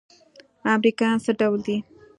امريکايان څه ډول دي؟